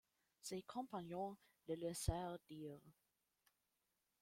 Ses compagnons le laissèrent dire